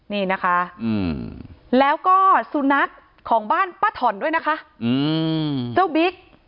นี่นะคะแล้วก็สุนัขของบ้านป้าถ่อนด้วยนะคะเจ้าบิ๊ก